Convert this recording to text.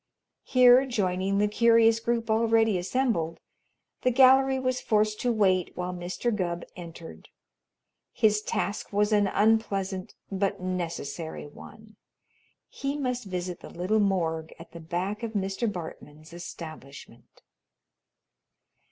Here, joining the curious group already assembled, the gallery was forced to wait while Mr. Gubb entered. His task was an unpleasant but necessary one. He must visit the little "morgue" at the back of Mr. Bartman's establishment.